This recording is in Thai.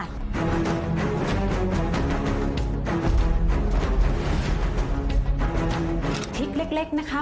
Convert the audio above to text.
ทิศเล็กนะคะ